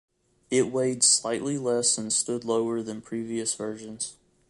It weighed slightly less and stood lower than previous versions.